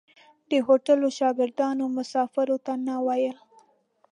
د هوټلو شاګردانو مسافرو ته نه ویل.